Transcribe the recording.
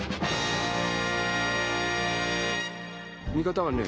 見方はね